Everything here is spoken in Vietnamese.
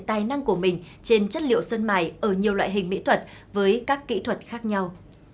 tài năng của mình trên chất liệu sơn mài ở nhiều loại hình mỹ thuật với các kỹ thuật khác nhau